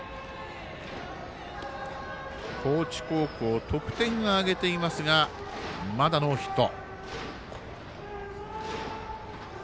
高知高校得点は挙げていますがまだノーヒット。